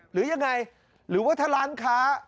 หรือยังไงหรือว่าถ้าร้านค้า